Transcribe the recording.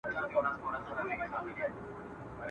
ته کامیاب یې تا تېر کړی تر هرڅه سخت امتحان دی ..